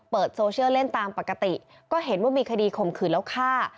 เปิดโซเชียลเล่นตามปกติก็เห็นว่ามีคดีข่มขืนแล้วฆ่า